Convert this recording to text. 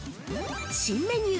◆新メニュー。